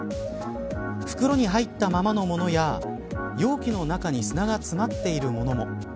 袋に入ったままのものや容器の中に砂が詰まっているものも。